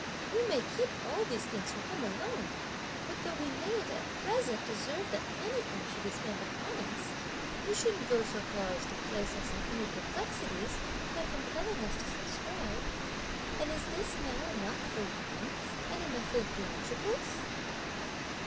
You may keep all these things for him alone! but though we mayn't at present, deserve that anything should be spent upon us, you shouldn't go so far as to place us in any perplexities (by compelling us to subscribe). And is this now enough for wines, and enough for the theatricals?"